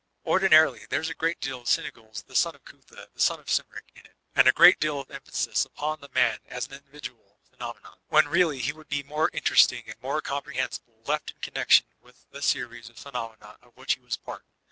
Ordi narily there b a great deal of ''Cynegib the son of Cutha the son of Cymric" in it; and a great deal of emphasb upon the man as an mdividual phenomenon ; when really he would be more interesting and more comprehensible left in connection with the series of phenomena of whidi he was part.